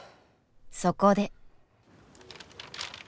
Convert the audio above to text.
そこで。